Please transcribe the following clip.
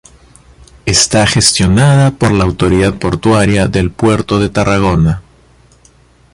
Está gestionada por la autoridad portuaria del Puerto de Tarragona.